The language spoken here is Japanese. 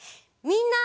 みんな。